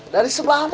dari sebelah mata ini